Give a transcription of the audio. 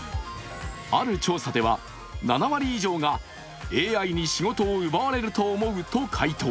ある調査では、７割以上がＡＩに仕事を奪われると思うと回答。